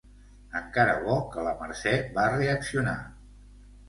Encara bo que la Mercè va reaccionar.